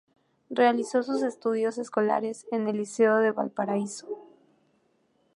Realizó sus estudios escolares en el Liceo de Valparaíso.